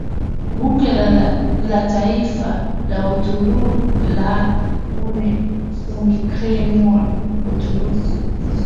Bunge la Taifa la Uturuki la Unicameral Uturuki